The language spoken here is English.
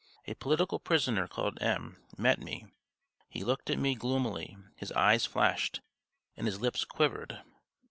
A political prisoner called M. met me; he looked at me gloomily, his eyes flashed and his lips quivered.